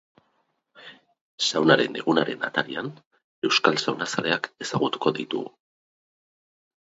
Saunaren egunaren atarian, euskal saunazaleak ezagutuko ditugu.